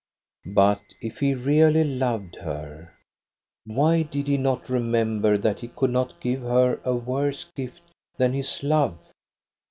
" But if he really loved her, why did he not remem ber that he could not give her a worse gift than his love.?